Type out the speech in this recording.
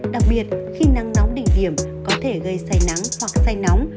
đặc biệt khi nắng nóng đỉnh điểm có thể gây say nắng hoặc say nóng